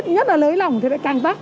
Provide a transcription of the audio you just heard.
nhất là lấy lỏng thì lại càng tắc